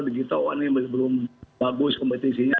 digital ini belum bagus kompetisinya